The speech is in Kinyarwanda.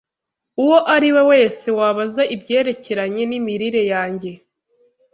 uwo ariwe wese wabaza ibyerekeranye n’imirire yanjye